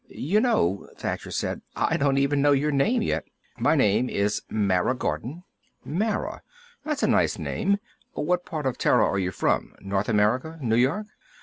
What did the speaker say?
"You know," Thacher said, "I don't even know your name, yet." "My name is Mara Gordon." "Mara? That's a nice name. What part of Terra are you from? North America? New York?"